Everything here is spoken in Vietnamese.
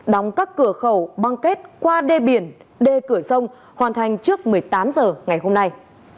đóng các cửa khẩu băng két qua đê biển đê cửa sông hoàn thành trước một mươi tám h ngày hôm nay